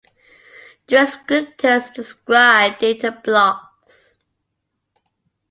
Descriptors describe data blocks.